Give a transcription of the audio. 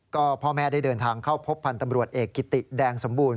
ก็พ่อแม่ได้เดินทางเข้าพบพันธ์ตำรวจเอกกิติแดงสมบูรณ